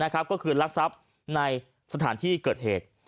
ก็คือรักทรัพย์ในสถานที่เกิดเหตุ